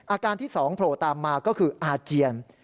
อาการที่๒โผล่ตามมาก็คืออาเจียน